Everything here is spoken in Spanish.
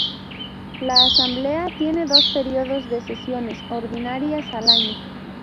La Asamblea tiene dos periodos de sesiones ordinarias al año.